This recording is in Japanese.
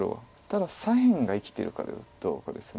ただ左辺が生きているかどうかです。